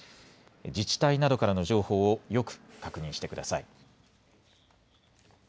自治体などからの情報をよく確認してください。